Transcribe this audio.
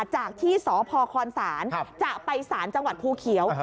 จากที่สพคศจะไปสารจังหวัดภูเขียว